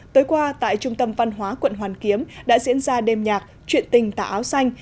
tối qua tại trung tâm văn hóa quận hoàn kiếm đã diễn ra đêm nhạc chuyện tình tả áo xanh